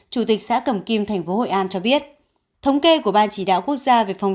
chủ tịch xã cẩm kim thành phố hội an cho biết thống kê của ban chỉ đạo quốc gia về phòng